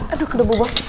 aduh kedu' bu bos